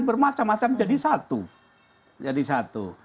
bermacam macam jadi satu